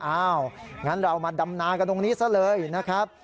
งั้นเรามาดำนากันตรงนี้ซะเลยนะครับ